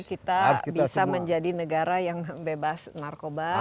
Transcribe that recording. kita bisa menjadi negara yang bebas narkoba